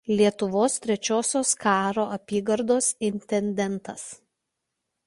Lietuvos Trečiosios karo apygardos intendantas.